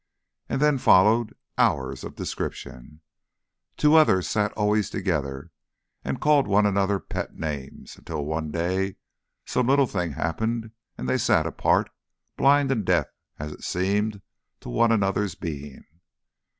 and then followed hours of description; two others sat always together, and called one another pet names, until one day some little thing happened, and they sat apart, blind and deaf as it seemed to one another's being.